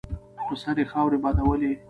په سر یې خاورې بادولې.